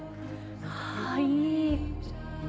あー、いい。